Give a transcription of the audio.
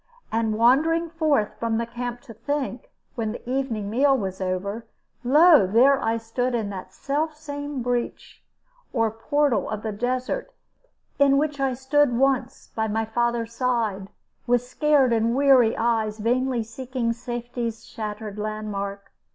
And wandering forth from the camp to think, when the evening meal was over, lo! there I stood in that selfsame breach or portal of the desert in which I stood once by my father's side, with scared and weary eyes, vainly seeking safety's shattered landmark.